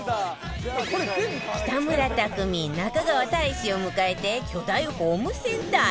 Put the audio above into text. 北村匠海中川大志を迎えて巨大ホームセンターへ